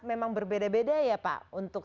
memang berbeda beda ya pak untuk